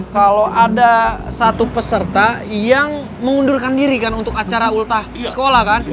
kalau ada satu peserta yang mengundurkan diri kan untuk acara ultah sekolah kan